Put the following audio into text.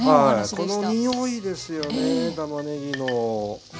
この匂いですよねたまねぎの。